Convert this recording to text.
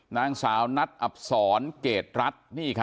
นางสาวนัดอับศรเกรดรัฐ